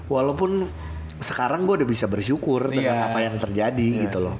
walaupun sekarang gue udah bisa bersyukur dengan apa yang terjadi gitu loh